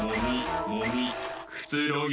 くつろぎ